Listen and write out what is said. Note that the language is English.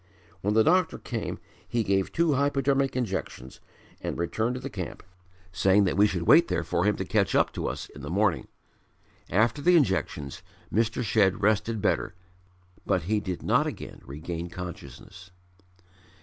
When the doctor came he gave two hypodermic injections and returned to the camp saying we should wait there for him to catch up to us in the morning. After the injections Mr. Shedd rested better but he did not again regain consciousness.